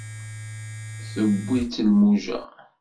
Tewwi-t lmuja